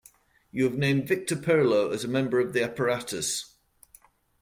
You have named Victor Perlo as a member of the apparatus.